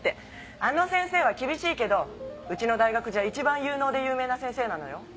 あの先生は厳しいけどうちの大学じゃいちばん有能で有名な先生なのよ。